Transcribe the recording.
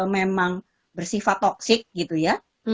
memang bersifat toksik gitu ya